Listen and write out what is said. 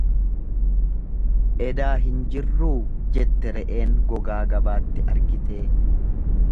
Edaa hin jirruu jette re'een gogaa gabaatti argitee.